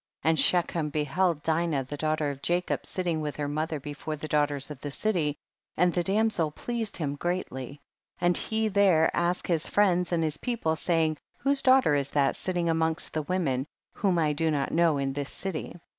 8. And Shechem beheld Dinah the daughter of Jacob sitting with her mother before the daughters of the city, and the damsel pleased him greatly, and he there asked his friends and his people, saying, whose daughter is that sitting amongst the women, whom I do not know in this city